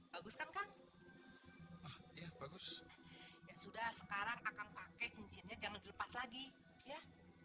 bagus kan kan ya bagus sudah sekarang akan pakai cincinnya jangan lepas lagi ya